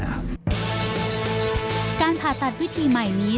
การผ่าตัดวิธีใหม่นี้